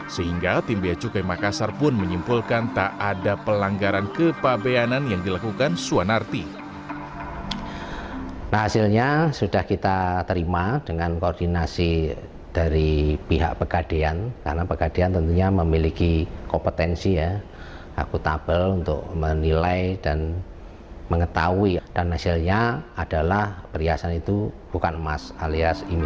sehingga tim beacukai makassar pun menyimpulkan tak ada pelanggaran kepabeanan yang dilakukan suwanarti